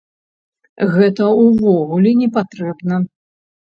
Гэта ўвогуле не патрэбна.